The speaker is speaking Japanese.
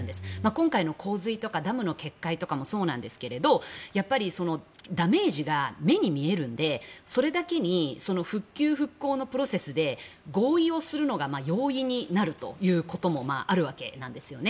今回の洪水とかダムの決壊とかもそうなんですけどダメージが目に見えるのでそれだけに復旧・復興のプロセスで合意をするのが容易になるということもあるわけなんですよね。